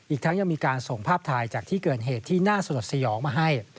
อีกทั้งยังมีการส่งภาพถ่ายจากที่เกิดเหตุที่น่าสลดสยองมาให้